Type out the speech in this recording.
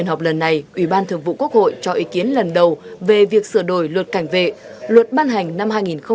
lần họp lần này ủy ban thường vụ quốc hội cho ý kiến lần đầu về việc sửa đổi luật cảnh vệ luật ban hành năm hai nghìn một mươi ba